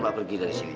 mbak pergi dari sini